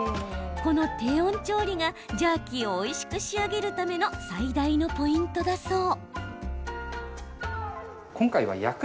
この低温調理がジャーキーをおいしく仕上げるための最大のポイントだそう。